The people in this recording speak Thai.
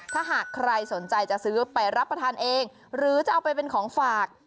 ถ้าหากใครสนใจจะซื้อไปรับประทานเองหรือจะเอาไปเป็นของฝาก